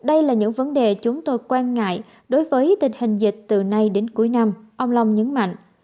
đây là những vấn đề chúng tôi quan ngại đối với tình hình dịch từ nay đến cuối năm ông long nhấn mạnh